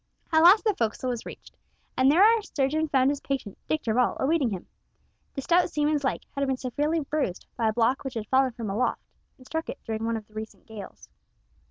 At last the fo'c'sl was reached, and there our surgeon found his patient, Dick Darvall, awaiting him. The stout seaman's leg had been severely bruised by a block which had fallen from aloft and struck it during one of the recent gales.